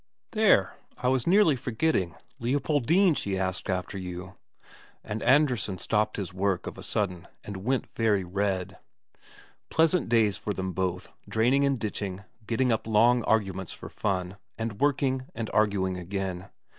"There! I was nearly forgetting. Leopoldine she asked after you...." And Andresen stopped his work of a sudden and went very red. Pleasant days for them both, draining and ditching, getting up long arguments for fun, and working, and arguing again.